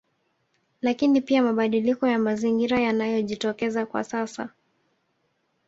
Lakini pia mabadiliko ya Mazingira yanayojitokeza kwa sasa